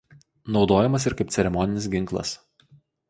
Naudojamas ir kaip ceremoninis ginklas.